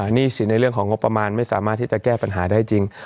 หนี้สินในเรื่องของงบประมาณไม่สามารถที่จะแก้ปัญหาได้จริง